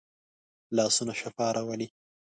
لاسونه شفا راولي